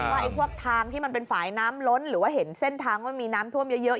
ว่าพวกทางที่มันเป็นฝ่ายน้ำล้นหรือว่าเห็นเส้นทางว่ามีน้ำท่วมเยอะ